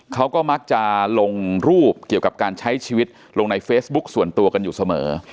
เขาก็มักจะลงรูปเกี่ยวกับการใช้ชีวิตลงในเฟซบุ๊คส่วนตัวกันอยู่เสมอ